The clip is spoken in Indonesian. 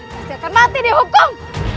pasti akan mati di hukum